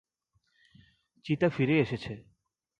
চিতা ফিরে এসেছে।